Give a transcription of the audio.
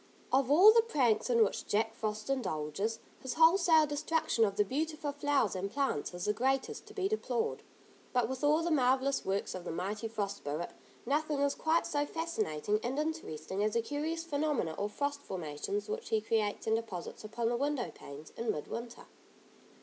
Of all the pranks in which Jack Frost indulges, his wholesale destruction of the beautiful flowers and plants is the greatest to be deplored. But with all the marvellous works of the mighty Frost Spirit, nothing is quite so fascinating and interesting as the curious phenomena or frost formations which he creates and deposits upon the window panes in mid winter.